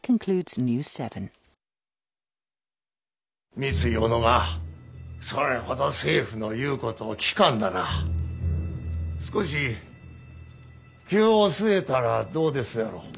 三井小野がそれほど政府の言うことを聞かんなら少し灸を据えたらどうですやろう？